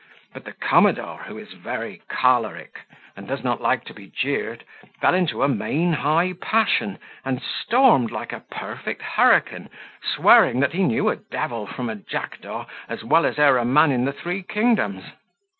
But the commodore, who is very choleric, and does not like to be jeered, fell into a main high passion, and stormed like a perfect hurricane, swearing that he knew a devil from a jackdaw as well as e'er a man in the three kingdoms.